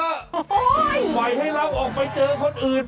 โอ๊ยไม่ให้เราออกไปเจอคนอื่น